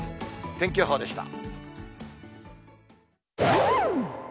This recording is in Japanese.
天気予報でした。